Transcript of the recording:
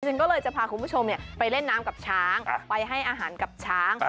จริงก็เลยจะพาคุณผู้ชมไปเล่นน้ำกับช้างไปให้อาหารกับช้าง